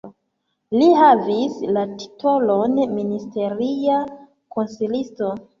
Li havis la titolon ministeria konsilisto.